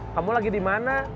kamu lagi dimana